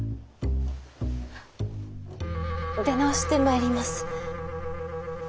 出直してまいります。